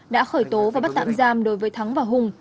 đã khởi tố và bắt tạm giam đối với thắng và hùng